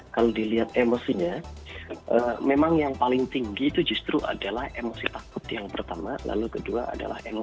kalau dilihat emosinya memang yang paling tinggi itu justru adalah emosi takut yang pertama lalu kedua adalah emosi